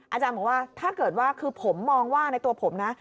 อาจารย์บอกว่าถ้าเกิดว่าคือผมมองว่าในตัวผมนะ